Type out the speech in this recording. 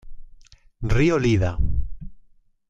Ryo Iida